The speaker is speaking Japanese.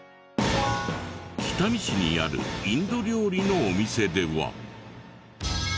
北見市にあるインド料理のお店では。